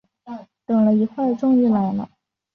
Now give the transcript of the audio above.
等了一会儿终于来了